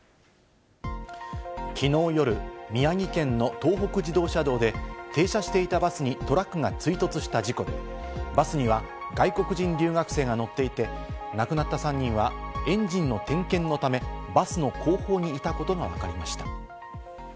きのう夜、宮城県の東北自動車道で、停車していたバスにトラックが追突した事故で、バスには外国人留学生が乗っていて、亡くなった３人はエンジンの点検のため、バスの後方にいたことがわかりました。